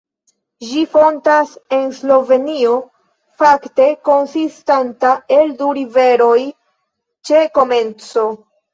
Ĝi fontas en Slovenio, fakte konsistanta el du riveroj ĉe komenco.